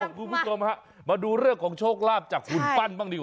คุณผู้ชมฮะมาดูเรื่องของโชคลาภจากหุ่นปั้นบ้างดีกว่า